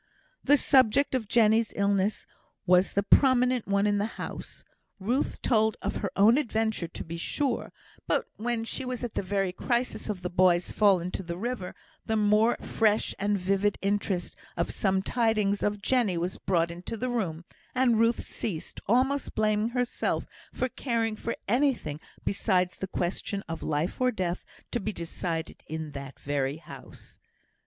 The subject of Jenny's illness was the prominent one in the house. Ruth told of her own adventure, to be sure; but when she was at the very crisis of the boy's fall into the river, the more fresh and vivid interest of some tidings of Jenny was brought into the room, and Ruth ceased, almost blaming herself for caring for anything besides the question of life or death to be decided in that very house.